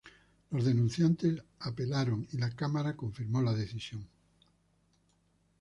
Los denunciantes apelaron y la Cámara confirmó la decisión.